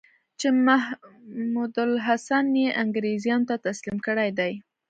چې محمودالحسن یې انګرېزانو ته تسلیم کړی دی.